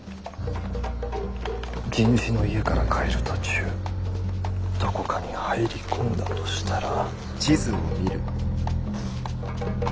地主の家から帰る途中どこかに入り込んだとしたら。